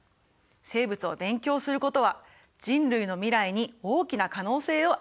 生物を勉強することは人類の未来に大きな可能性を与えるかもしれません。